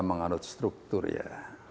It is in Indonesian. mengandung struktur ya